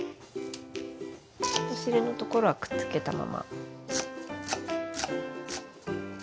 お尻のところはくっつけたまま。